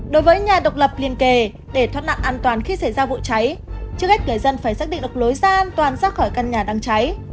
đối với nhà độc lập liên kề để thoát nạn an toàn khi xảy ra vụ cháy trước hết người dân phải xác định được lối ra an toàn ra khỏi căn nhà đang cháy